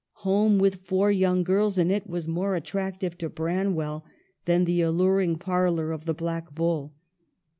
Home with four young girls in it was more attractive to Branwell than the alluring parlor of the " Black Bull."